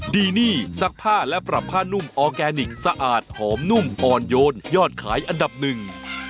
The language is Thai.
ดีนี่ซักผ้าและปรับผ้านุ่มออร์แกนิคสะอาดหอมนุ่มอ่อนโยนยอดขายอันดับหนึ่ง